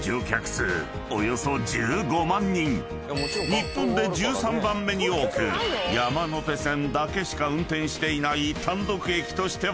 ［日本で１３番目に多く山手線だけしか運転していない単独駅としては何と］